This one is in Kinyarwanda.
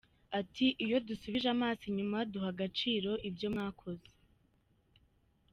Ati “Iyo dusubije amaso inyuma duha agaciro ibyo mwakoze.